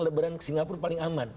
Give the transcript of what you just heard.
lebaran ke singapura paling aman